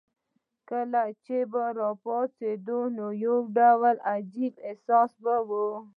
کله چې به راپاڅېدې نو یو ډول عجیب احساس به وو.